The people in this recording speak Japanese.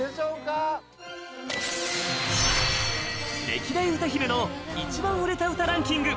歴代歌姫の一番売れた歌ランキング